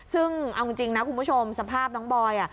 ซึ่งเอาจริงนะคุณผู้ชมสภาพน้องบอย